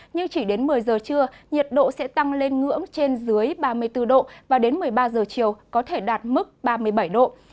nhưng chỉ đến một mươi giờ trưa nhiệt độ sẽ tăng lên ngưỡng trên dưới ba mươi bốn độ và đến một mươi ba giờ chiều có thể đạt mức ba mươi bảy độ